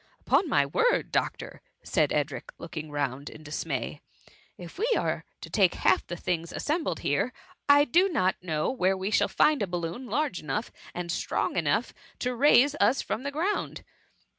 " Upon my word, doctor," said Edric, look ing round in dismay, if we are to take half the things assembled here, I do not know 1 ^ 172 THE MUM Mr. where we shall find a balloon large enough and strong enough even to raise us from the ground."